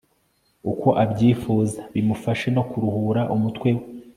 uko abyifuza bimufashe no kuruhura umutwe we